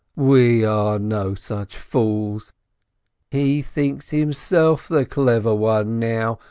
We are no such fools! He thinks himself the clever one now!